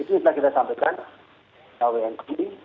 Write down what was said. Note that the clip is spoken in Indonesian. itu yang kita sampaikan ke uni